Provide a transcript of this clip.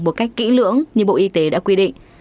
một cách kỹ lưỡng như bộ y tế đã quy định